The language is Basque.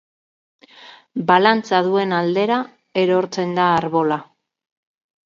Balantza duen aldera erortzen da arbola.